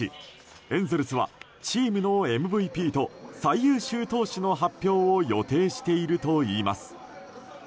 エンゼルスはチームのＭＶＰと最優秀投手の発表を予定しているといいます。